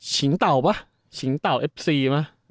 ชิงเต่าปะชิงเต่าเอฟซีมา